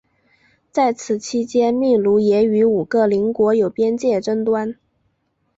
在此期间秘鲁也与五个邻国有边界争端。